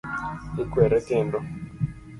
Ikwere kendo.